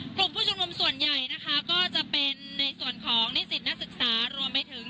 กลุ่มผู้ชุมนุมส่วนใหญ่นะคะก็จะเป็นในส่วนของนิสิตนักศึกษารวมไปถึง